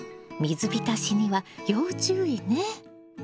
水浸しには要注意ね。